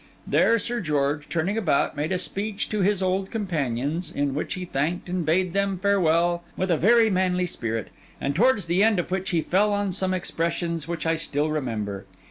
There, Sir George, turning about, made a speech to his old companions, in which he thanked and bade them farewell with a very manly spirit; and towards the end of which he fell on some expressions which I still remember.